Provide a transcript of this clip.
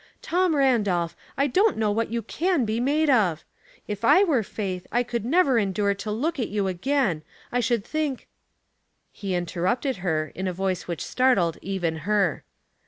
Tom Randolph, I don't know what you can be made of I If I were Faith, I could never endure to look at you again. I should think —" He interrupted her, in a voice which startled even her.